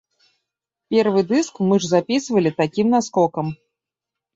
Першы дыск мы ж запісвалі такім наскокам.